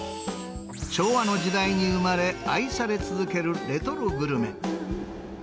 昭和の時代に生まれ、愛され続けるレトログルメ。